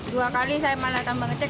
dua kali saya malah tambah ngecek